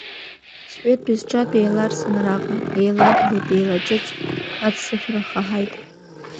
Сжәытәи сҿатәи еиларсын араҟа, еилаблит, еилаҷыҷт, аццышә рхаҳаит.